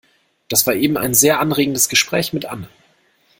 Das war eben ein sehr anregendes Gespräch mit Anne.